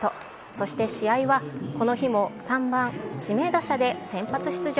そして試合はこの日も３番指名打者で先発出場。